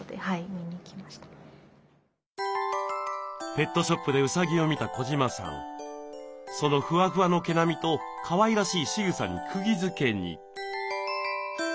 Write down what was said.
ペットショップでうさぎを見た児島さんそのふわふわの毛並みとかわいらしいしぐさにくぎづけに。